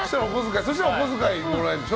そうしたらお小遣いもらえるんでしょ。